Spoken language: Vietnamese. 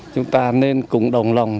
chúng ta nên cùng đồng lòng